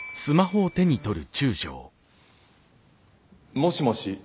もしもし。